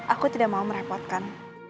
aku tidak mau merepotkan